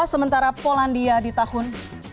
sementara polandia di tahun dua ribu sembilan